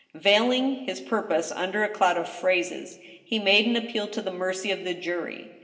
Veiling his purpose under a cloud of phrases, he made an appeal to the mercy of the jury.